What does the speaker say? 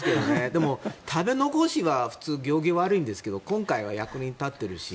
でも、食べ残しは普通、行儀が悪いですが今回は役に立っているし。